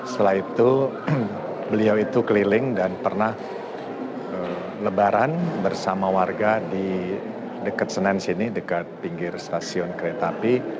setelah itu beliau itu keliling dan pernah lebaran bersama warga di dekat senen sini dekat pinggir stasiun kereta api